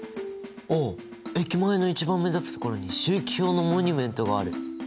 お駅前の一番目立つ所に周期表のモニュメントがある。